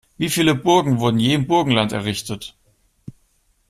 Wie viele Burgen wurden je im Burgenland errichtet?